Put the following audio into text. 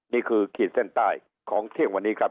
ขีดเส้นใต้ของเที่ยงวันนี้ครับ